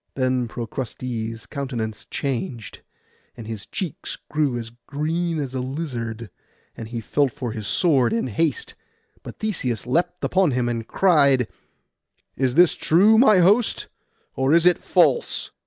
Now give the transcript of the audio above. Then Procrustes' countenance changed, and his cheeks grew as green as a lizard, and he felt for his sword in haste; but Theseus leapt on him, and cried— 'Is this true, my host, or is it false?